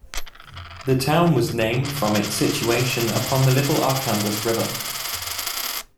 The town was named from its situation upon the Little Arkansas River.